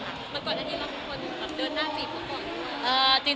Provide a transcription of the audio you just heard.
บางคนอันนี้เราเป็นคนเดินหน้าจีบเขาขอหรือเปล่า